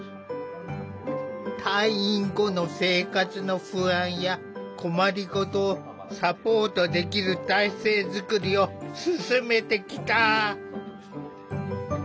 退院後の生活の不安や困りごとをサポートできる体制づくりを進めてきた。